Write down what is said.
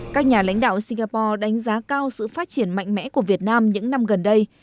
các nhà lãnh đạo singapore đánh giá cao sự phát triển mạnh mẽ của việt nam những năm gần đây